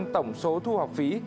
bốn mươi tổng số thu học phí